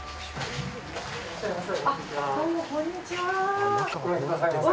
どうも、こんにちは。